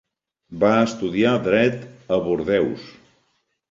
Va estudiar dret a Bordeus.